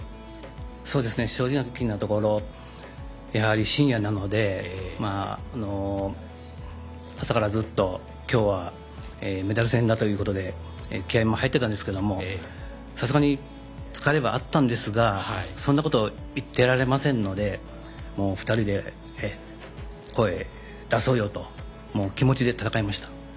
正直なところやはり深夜なので朝からずっときょうはメダル戦だということで気合いも入っていたんですけれどもさすがに疲れはあったんですがそんなこと言ってられませんので２人で声出そうよと気持ちで戦いました。